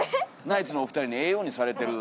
ナイツのお二人にええようにされてる。